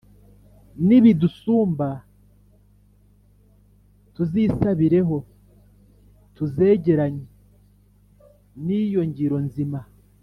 Nibidusumba tuzisabireho Tuzegeranye niyo ngiro nzima,